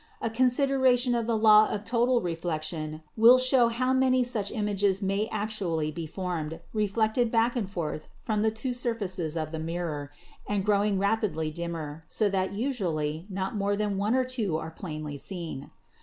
A consideration of the law of Total Reflection will show how many such images may actually be formed, reflected back and forth from the two surfaces of the mirror, and growing rapidly dimmer, so that usually not more than one or two are plainly to be seen.